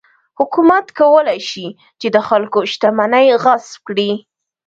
حکومت کولای شي چې د خلکو شتمنۍ غصب کړي.